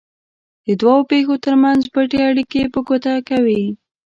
د دوو پېښو ترمنځ پټې اړیکې په ګوته کوي.